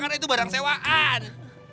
karena itu barang sewaan